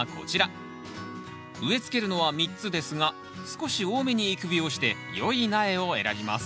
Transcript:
植えつけるのは３つですが少し多めに育苗してよい苗を選びます